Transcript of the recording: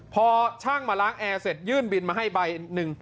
พอช่างมาล้างแอร์เสร็จยื่นบินมาให้ใบหนึ่ง